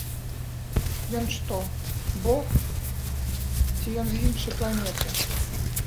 Ён што, бог, ці ён з іншай планеты?